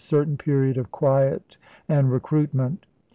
certain period of quiet and recruitment.